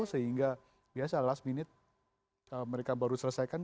sehingga biasa last minute mereka baru selesaikan